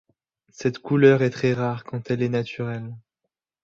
Cette couleur est très rare quand elle est naturelle.